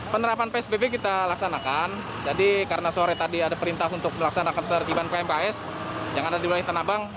penerapan psbb kita laksanakan jadi karena sore tadi ada perintah untuk melaksanakan tertiban pmks yang ada di wilayah tanah abang